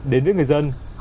đến với người dân